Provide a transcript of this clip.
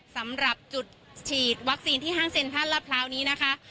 สำหรับจุดฉีดวัคซีนที่ห้างเซ็นทรัลลาดพร้าวนี้นะคะ